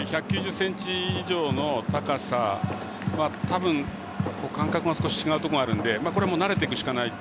１９０ｃｍ以上の高さは多分、感覚が少し違うところがあるのでこれは慣れていくしかない。